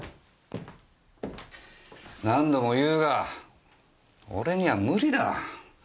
何度も言うが俺には無理だ。